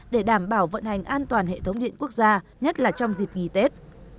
để đảm bảo vận hành an toàn hệ thống điện quốc gia nhất là trong dịp nghỉ tết